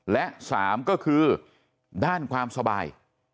และ๓ก็คือด้านความสบาย